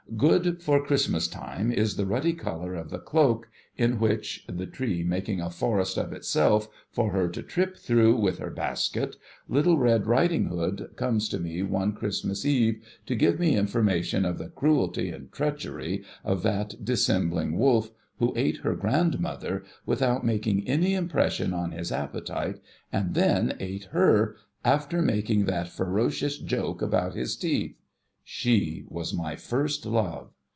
Good for Christmas time is the ruddy colour of the cloak, in which — the tree making a forest of itself for her to trip through, with her basket — Little Red Riding Hood comes to me one Christ mas Eve to give me information of the cruelty and treachery of that dissembling Wolf who ate her grandmother, without making any impression on his a])petite, and then ate her, after making that ferocious joke about his teeth. She was my first love.